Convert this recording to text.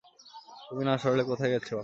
তুমি না সরালে, কোথায় গেছে বাক্স?